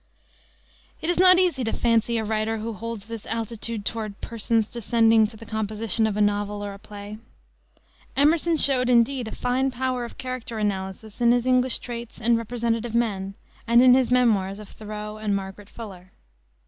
It is not easy to fancy a writer who holds this altitude toward "persons" descending to the composition of a novel or a play. Emerson showed, indeed, a fine power of character analysis in his English Traits and Representative Men and in his memoirs of Thoreau and Margaret Fuller.